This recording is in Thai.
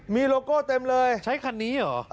มีโลโก้เต็มเลยใช้คันนี้เหรอ